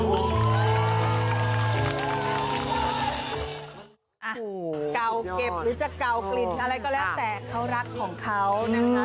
โอ้โหเก่าเก็บหรือจะเก่ากลิ่นอะไรก็แล้วแต่เขารักของเขานะคะ